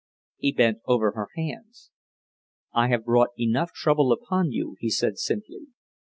He bent over her hands. "I have brought enough trouble upon you," he said simply.